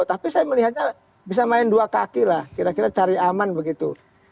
tapi saya melihatnya bisa main dua kaki lah kira kira cari aman begitu